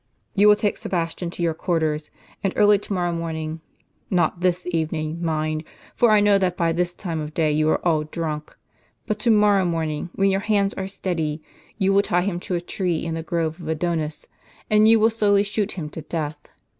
"You will take Sebastian to your quarters; and early to morrow morning, — not this evening, mind, for I know that by this time of day you are all drunk, — but to morrow morn ing, when your hands are steady, you will tie him to a tree in the grove of Adonis, and you will slowly shoot him to death.